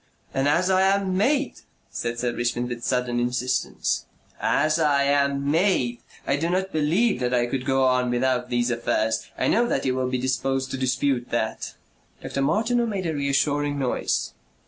"And as I am made," said Sir Richmond with sudden insistence, "AS I AM MADE I do not believe that I could go on without these affairs. I know that you will be disposed to dispute that." Dr. Martineau made a reassuring noise.